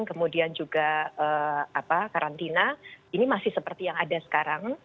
kemudian juga karantina ini masih seperti yang ada sekarang